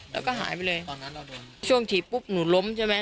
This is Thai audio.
แล้วก็หายไปเลยตอนนั้นเราโดนช่วงถีบปุ๊บหนูล้มใช่ไหม